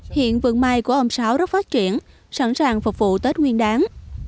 hiện vườn mai của ông sáu rất phát triển sẵn sàng phục vụ tết nguyên đáng